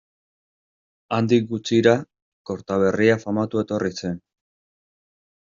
Handik gutxira, Kortaberria famatua etorri zen.